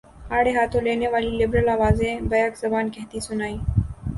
آڑے ہاتھوں لینے والی لبرل آوازیں بیک زبان کہتی سنائی